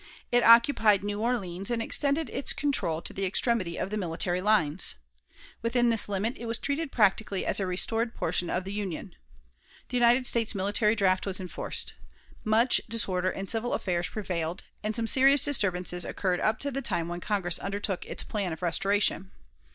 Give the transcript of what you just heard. It occupied New Orleans, and extended its control to the extremity of the military lines. Within this limit it was treated practically as a restored portion of the Union. The United States military draft was enforced. Much disorder in civil affairs prevailed, and some serious disturbances occurred up to the time when Congress undertook its plan of restoration.